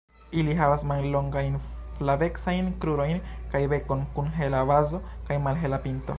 Ili havas mallongajn flavecajn krurojn kaj bekon kun hela bazo kaj malhela pinto.